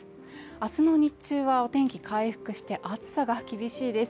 明日の日中はお天気、回復して暑さが厳しいです。